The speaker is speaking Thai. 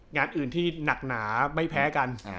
งานอื่นที่หนักหนาไม่แพ้กัน